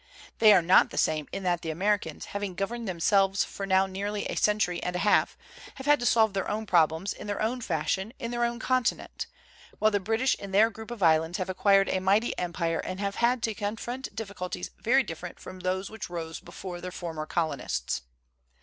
They are not the same in that the Americans, having governed themselves for now nearly a century and a half, have had to solve their own prob lems in their own fashion in their own continent, while the British in their group of islands have acquired a mighty empire and have had to con front difficulties very different from those which rose before their former colonists.